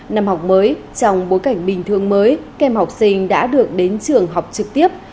năm học mới trong bối cảnh bình thường mới kem học sinh đã được đến trường học trực tiếp